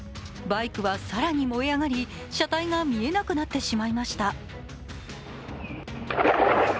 バイクは更に燃え上がり、車体が見えなくなってしまいました。